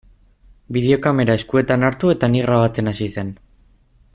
Bideokamera eskuetan hartu eta ni grabatzen hasi zen.